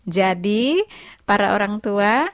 jadi para orang tua